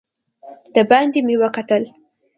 دباندې مې وکتل.